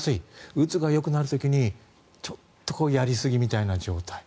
うつがよくなる時にちょっとやりすぎみたいな状態。